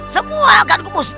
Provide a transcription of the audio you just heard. semua akan kumusnahkan